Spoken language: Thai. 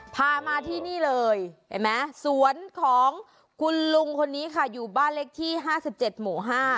พามาที่นี่เลยเห็นไหมสวนของคุณลุงคนนี้ค่ะอยู่บ้านเลขที่๕๗หมู่๕